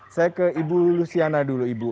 saya ke ibu luciana dulu ibu